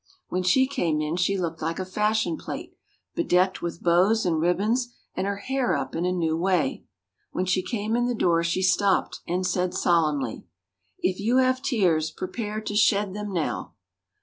When she came in she looked like a fashion plate, bedecked with bows and ribbons and her hair up in a new way. When she came in the door she stopped and said solemnly: "If you have tears prepare to shed them now!"